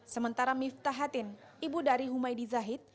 sementara miftah hatin ibu dari humaydi zahid